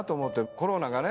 コロナがね